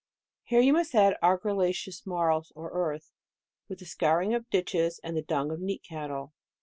Here you must add argilla ceous marls or earth, with the scouring of ditches, and the dung of neat cattle.